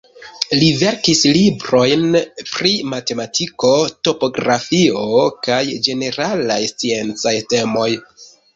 Li verkis librojn pri matematiko, topografio kaj ĝeneralaj sciencaj temoj.